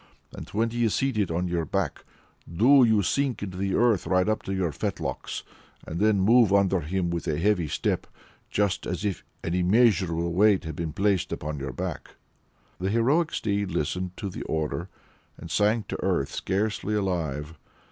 And when he is seated on your back, do you sink into the earth right up to your fetlocks, and then move under him with a heavy step, just as if an immeasurable weight had been laid upon your back." The heroic steed listened to the order and sank to earth scarcely alive.